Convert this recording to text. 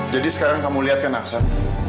jadi sekarang kamu lihat kan aksan